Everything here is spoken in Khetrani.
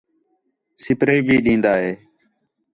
سپرے بھی ݙین٘دا ہے